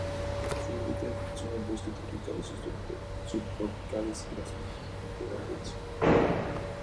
Su hábitat son los bosques tropicales y subtropicales y las zonas de matorral denso.